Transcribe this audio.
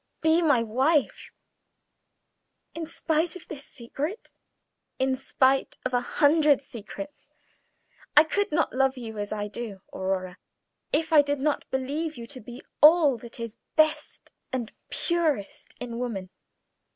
Be my wife." "In spite of this secret?" "In spite of a hundred secrets. I could not love you as I do, Aurora, if I did not believe you to be all that is best and purest in woman.